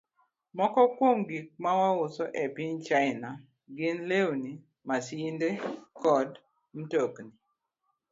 Moko kuom gik ma wauso e piny China gin lewni, masinde, kod mtokni.